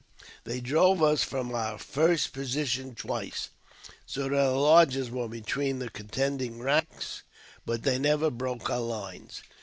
They drove us from our first position twice, so that our lodges were between the contending ranks, but they never broke our lines.